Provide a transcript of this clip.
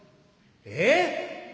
「えっ！？